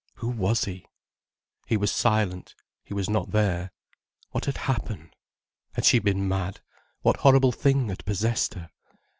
—who was he? He was silent, he was not there. What had happened? Had she been mad: what horrible thing had possessed her?